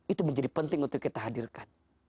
itu menjadi penting untuk kita hadirkan